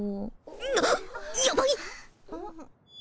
んっやばい！